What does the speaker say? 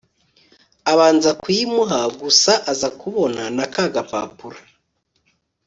abanza kuyimuha gusa aza kubona na kagapapuro